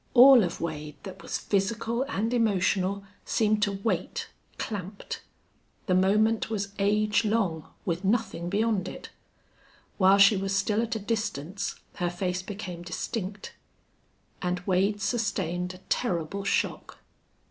All of Wade that was physical and emotional seemed to wait clamped. The moment was age long, with nothing beyond it. While she was still at a distance her face became distinct. And Wade sustained a terrible shock....